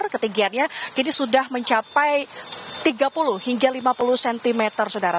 ketinggiannya kini sudah mencapai tiga puluh hingga lima puluh cm saudara